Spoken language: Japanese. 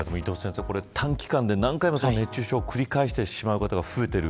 短期間で何回も熱中症を繰り返してしまう方が増えている。